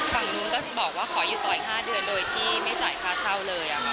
ฝั่งนู้นก็บอกว่าขออยู่ต่ออีก๕เดือนโดยที่ไม่จ่ายค่าเช่าเลย